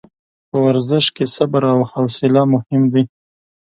په ورزش کې صبر او حوصله مهم دي.